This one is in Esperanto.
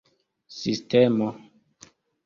sistemo